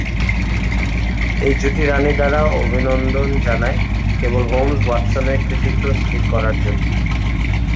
এই জুটি রানী দ্বারা অভিনন্দন জানায়, কেবল হোমস ওয়াটসনের কৃতিত্ব স্থির করার জন্য।